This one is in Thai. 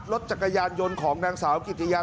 รถจักรยานยนต์ของนางสาวกิติยา